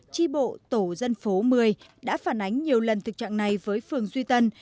tri bộ tổ dân phố một mươi đã phản ánh nhiều lần thực trạng này với phường duy tân